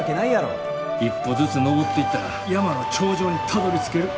一歩ずつ登っていったら山の頂上にたどりつける。